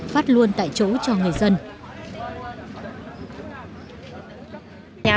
phát luôn tại chỗ cho người dân